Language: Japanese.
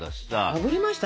あぶりました